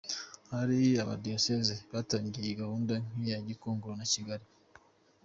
Hari amadiyoseze yatangiye iyi gahunda nk’iya Gikongoro na Kigali.